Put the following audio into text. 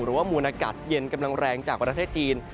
มูลอากาศเย็นกำลังแรงจากประเทศจีน